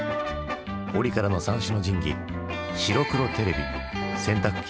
折からの三種の神器白黒テレビ洗濯機